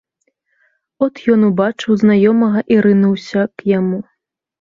От ён убачыў знаёмага і рынуўся к яму.